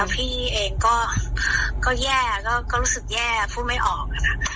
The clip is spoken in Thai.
พี่ก็รู้เสมบงบรู้รู้สึกแย่พูดไม่ออก